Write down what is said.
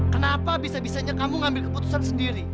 kenapa bisa bisanya kamu ngambil keputusan sendiri